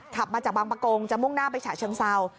ขับมาจากบางประกงจะมุ่งหน้าไปฉะเชิงเศร้า